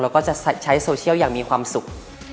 แล้วก็จะใช้โซเชียลอย่างมีความสุข